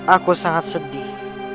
aku sangat sedih